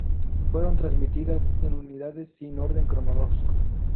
Fueron transmitidas en unidades sin orden cronológico.